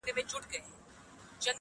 چې زه به له بابا سره